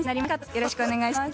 よろしくお願いします。